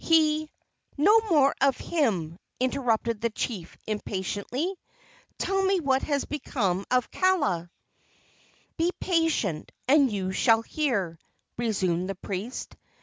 He " "No more of him!" interrupted the chief, impatiently. "Tell me what has become of Kaala!" "Be patient, and you shall hear," resumed the priest.